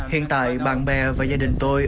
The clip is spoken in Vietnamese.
hiện tại bạn bè và gia đình tôi